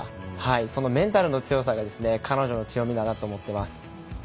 そのメンタルの強さが彼女の強みだなと思っています。